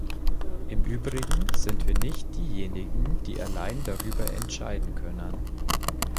Im Übrigen sind wir nicht diejenigen, die alleine darüber entscheiden können.